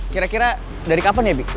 kira kira dari kapan ya big